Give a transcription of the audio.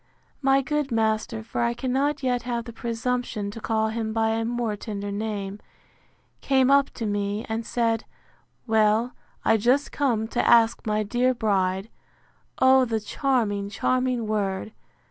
My good master (for I cannot yet have the presumption to call him by a more tender name) came up to me, and said, Well, I just come to ask my dear bride (O the charming, charming word!)